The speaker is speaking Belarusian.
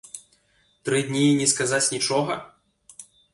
Тры дні і не сказаць нічога?!